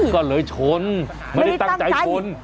ก็เลยชนไม่ได้ตั้งใจชน